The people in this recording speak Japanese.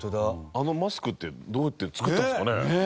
あのマスクってどうやって作ったんですかね？